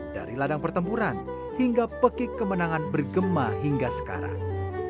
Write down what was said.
dari ladang pertempuran hingga pekik kemenangan bergema hingga sekarang